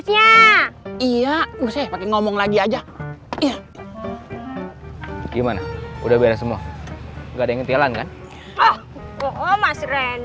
saya bertanggung jawab atas keselamatan andin